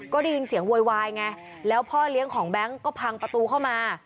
ก็ได้ยินเสียงโวยวายไงแล้วพ่อเลี้ยงของแบงค์ก็พังประตูเข้ามา